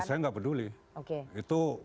saya nggak peduli itu